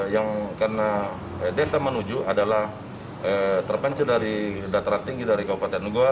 yang karena desa menuju adalah terpencil dari dataran tinggi dari kabupaten goa